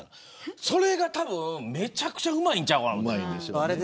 それがたぶん、めちゃくちゃうまいんちゃうかな。